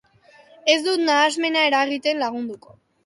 Ez dut nahasmena eragiten lagunduko.